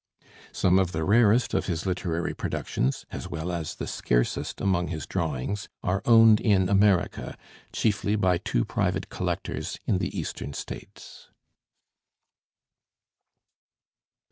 Some of the rarest of his literary productions, as well as the scarcest among his drawings, are owned in America, chiefly by two private collectors in the Eastern States.